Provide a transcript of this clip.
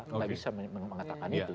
tidak bisa mengatakan itu